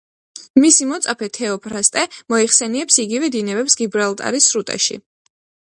მისი მოწაფე თეოფრასტე მოიხსენიებს იგივე დინებებს გიბრალტარის სრუტეში.